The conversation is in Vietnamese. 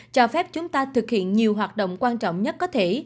cho phép chúng ta thực hiện nhiều hoạt động quan trọng nhất có thể